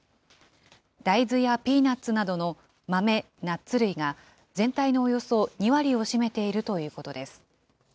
大豆やピーナッツなどの豆・ナッツ類が、全体のおよそ２割を占めているということです。